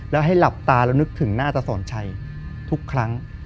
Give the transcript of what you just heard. แล้วให้หลับตาแล้วนึกถึงหน้าตาสอนชัยทุกครั้ง